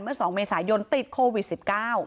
เมื่อ๒เมษายนติดโควิด๑๙